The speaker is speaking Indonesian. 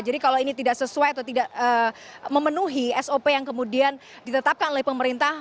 jadi kalau ini tidak sesuai atau tidak memenuhi sop yang kemudian ditetapkan oleh pemerintah